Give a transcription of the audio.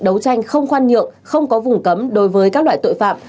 đấu tranh không khoan nhượng không có vùng cấm đối với các loại tội phạm